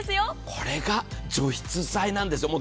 これが除湿剤なんです。